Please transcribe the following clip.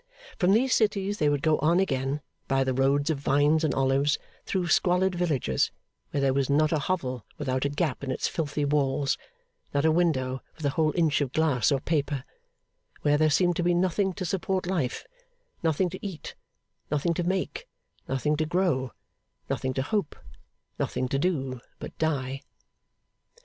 From these cities they would go on again, by the roads of vines and olives, through squalid villages, where there was not a hovel without a gap in its filthy walls, not a window with a whole inch of glass or paper; where there seemed to be nothing to support life, nothing to eat, nothing to make, nothing to grow, nothing to hope, nothing to do but die.